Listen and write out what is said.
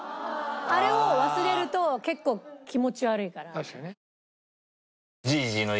あれを忘れると結構気持ち悪いから。